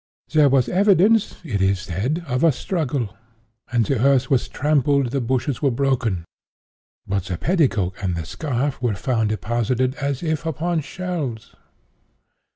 'There was evidence,' it is said, 'of a struggle; and the earth was trampled, the bushes were broken,'—but the petticoat and the scarf are found deposited as if upon shelves.